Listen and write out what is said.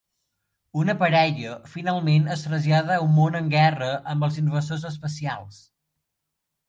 Una parella finalment es trasllada a un món en guerra amb els invasors espacials.